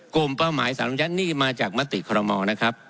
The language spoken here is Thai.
กลุ่มเป้าหมาย๓ระยะนี่มาจากมติคอลโลมอร์นะครับ